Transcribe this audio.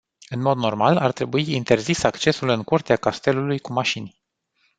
În mod normal, ar trebui interzis accesul în curtea castelului cu mașini.